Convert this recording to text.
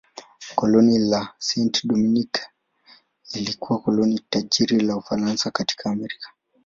Koloni la Saint-Domingue lilikuwa koloni tajiri la Ufaransa katika Amerika.